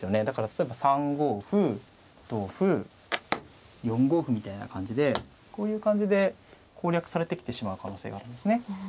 だから例えば３五歩同歩４五歩みたいな感じでこういう感じで攻略されてきてしまう可能性がありますね。